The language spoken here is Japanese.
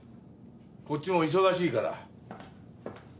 こっちも忙しいから。